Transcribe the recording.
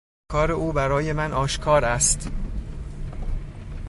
افکار او برای من آشکار است.